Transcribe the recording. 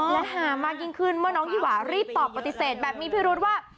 และฮามากยิ่งขึ้นเมื่อน้องยี่หวารีบตอบปฏิเสธแบบมีพิรุษว่า